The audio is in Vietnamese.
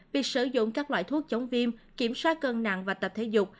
việc sử dụng các loại thuốc chống viêm kiểm soát cân nặng và tập thể dục